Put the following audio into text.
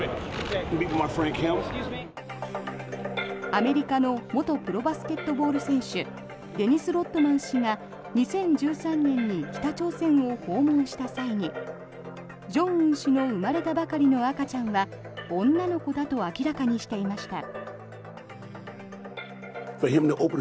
アメリカの元プロバスケットボール選手デニス・ロッドマン氏が２０１３年に北朝鮮を訪問した際に正恩氏の生まれたばかりの赤ちゃんは女の子だと明らかにしていました。